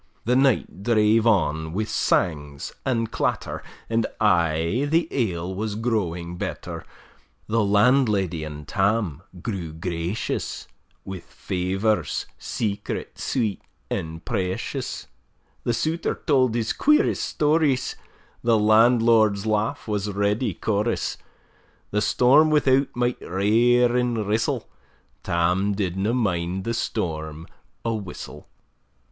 The night drave on wi' sangs an' clatter; And ay the ale was growing better: The landlady and Tam grew gracious, Wi' favors, secret, sweet, and precious: The Souter tauld his queerest stories; The landlord's laugh was ready chorus: The storm without might rair and rustle, Tam did na mind the storm a whistle.